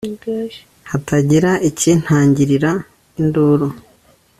hatagira ikintangirira induru